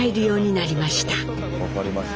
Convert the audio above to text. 分かりました。